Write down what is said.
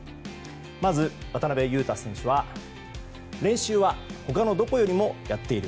まず、渡邊雄太選手は、練習は他のどこよりもやっている。